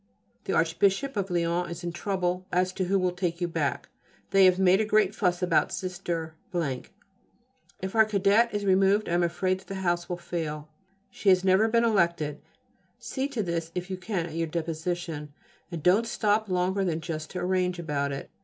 The Archbishop of Lyons is in trouble as to who will take you back. They have made a great fuss about Sister . If our Cadette is removed I am afraid that house will fail. She has never been elected: see to this if you can at your deposition, and don't stop longer than just to arrange about it.